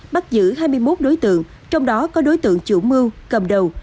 bắt giữ hai mươi một đối tượng trong đó có đối tượng chủ mưu cầm đầu